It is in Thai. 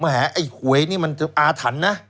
แหมไอ้หวยนี่มันอาถันนะ